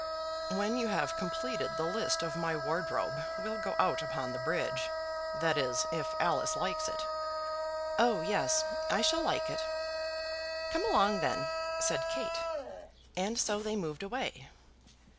"When you have completed the list of my wardrobe we'll go out upon the bridge. That is, if Alice likes it." "Oh, yes; I shall like it." "Come along then," said Kate. And so they moved away.